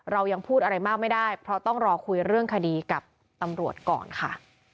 เรายังพูดอะไรมากไม่ได้เพราะต้องรอคุยเรื่องคดีกับตำรวจก่อนค่ะ